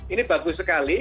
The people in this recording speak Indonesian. ini bagus sekali